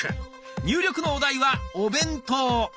入力のお題は「お弁当」。